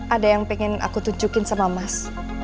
ada yang ingin aku tunjukkan sama mas